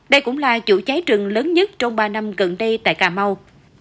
đây cũng là chủ cháy rừng lớn nhất trong ba năm gần đây tại cà mau